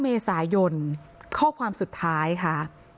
เมษายนข้อความสุดท้ายค่ะ